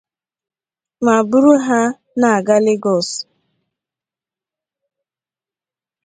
ma buru ha na-aga Lagos